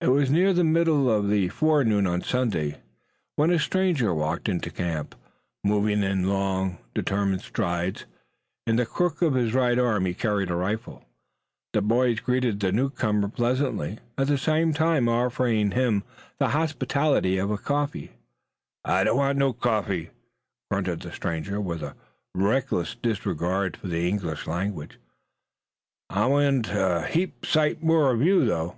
It was near the middle of the forenoon on Sunday when a stranger walked into camp, moving in long, determined strides. In the crook of his right arm he carried a rifle. The boys greeted the newcomer pleasantly, at the same time offering him the hospitality of a cup of coffee. "I don't want no coffee," grunted the stranger, with a reckless disregard for the English language. "I want a heap sight more of you, though."